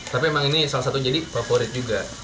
tapi emang ini salah satu jadi favorit juga